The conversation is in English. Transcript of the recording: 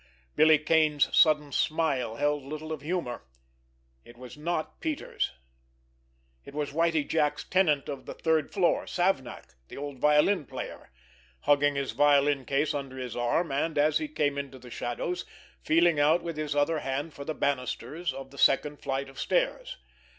Billy Kane's sudden smile held little of humor. It was not Peters. It was Whitie Jack's tenant of the third floor, Savnak, the old violin player, hugging his violin case under his arm, and as he came into the shadows, feeling out with his other hand for the banisters of the second flight of stairs.